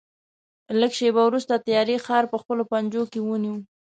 لږ شېبه وروسته تیارې ښار په خپلو پنجو کې ونیو.